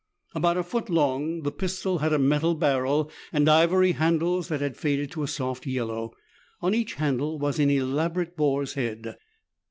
About a foot long, the pistol had a metal barrel and ivory handles that had faded to a soft yellow. On each handle was an elaborate boar's head.